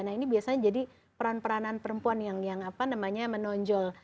nah ini biasanya jadi peran peranan perempuan yang menonjol